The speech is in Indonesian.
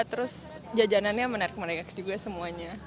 terus jajanannya menarik menarik juga semuanya